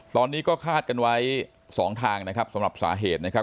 ตอนนี้ก็คาดกันไว้สองทางนะครับสำหรับสาเหตุนะครับ